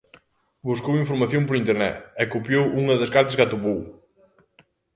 Buscou información pola internet e copiou unha das cartas que atopou.